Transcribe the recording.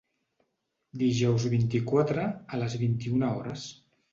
Dijous vint-i-quatre, a les vint-i-una hores.